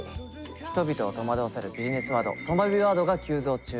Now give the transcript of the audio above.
人々を戸惑わせるビジネスワードとまビワードが急増中。